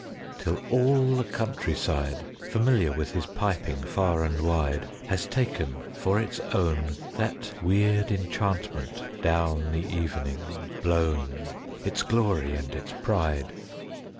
Till all the country side, Familiar with his piping far and wide, Has taken for its own That weird enchantment down the evening blown, Its glory and its pride.